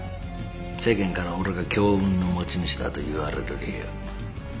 世間から俺が強運の持ち主だと言われる理由。